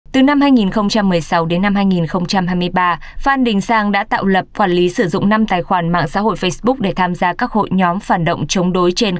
từ năm hai nghìn một mươi sáu đến năm hai nghìn hai mươi ba phan đình sang đã tạo lập quản lý sử dụng năm tài khoản mạng xã hội facebook để tham gia các hội